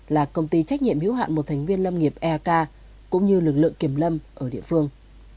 là công ty trách nhiệm hiếu hạn một thành viên lâm nghiệp eak cũng như lực lượng kiểm lâm ở địa phương